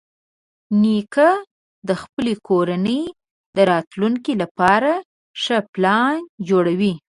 نیکه د خپلې کورنۍ د راتلونکي لپاره ښه پلان جوړوي.